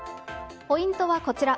ポイントはこちら。